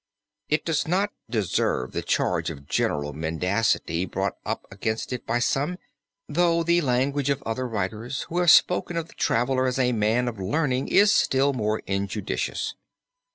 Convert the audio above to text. It does not deserve the charge of general mendacity brought up against it by some, though the language of other writers who have spoken of the traveler as a man of learning is still more injudicious.